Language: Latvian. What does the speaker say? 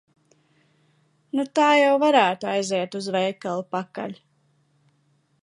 Nu tā jau varētu aiziet uz veikalu pakaļ.